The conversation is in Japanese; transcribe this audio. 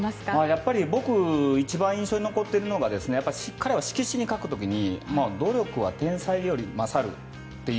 やっぱり僕が一番印象に残っているのが彼は色紙に書くとき「努力は天才より勝る」と